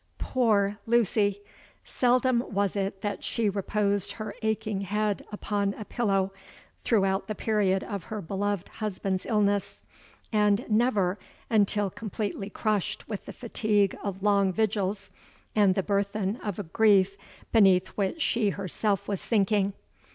Poor Lucy! seldom was it that she reposed her aching head upon a pillow, throughout the period of her beloved husband's illness—and never until completely crushed with the fatigue of long vigils and the burthen of a grief beneath which she herself was sinking.